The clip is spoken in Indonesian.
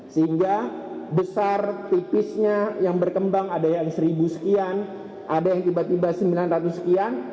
sehingga besar tipisnya yang berkembang ada yang seribu sekian ada yang tiba tiba sembilan ratus sekian